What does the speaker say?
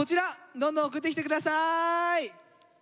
どんどん送ってきて下さい。